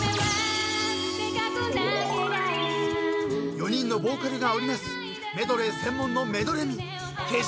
［４人のボーカルが織りなすメドレー専門の］